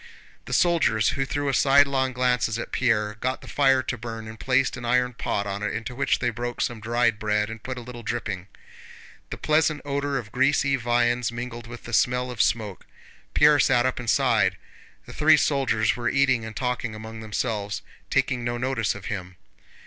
The soldiers, who threw sidelong glances at Pierre, got the fire to burn and placed an iron pot on it into which they broke some dried bread and put a little dripping. The pleasant odor of greasy viands mingled with the smell of smoke. Pierre sat up and sighed. The three soldiers were eating and talking among themselves, taking no notice of him.